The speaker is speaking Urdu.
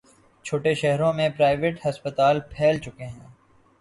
چھوٹے شہروں میں پرائیویٹ ہسپتال پھیل چکے ہیں۔